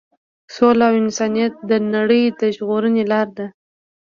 سوله او انسانیت د نړۍ د ژغورنې لار ده.